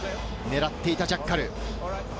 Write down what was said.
狙っていたジャッカル。